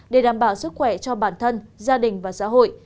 để đảm bảo sức khỏe cho bản thân gia đình và xã hội